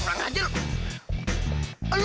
kurang ajar lu